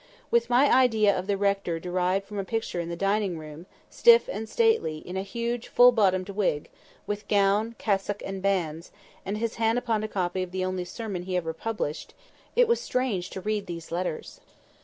With my idea of the rector derived from a picture in the dining parlour, stiff and stately, in a huge full bottomed wig, with gown, cassock, and bands, and his hand upon a copy of the only sermon he ever published—it was strange to read these letters.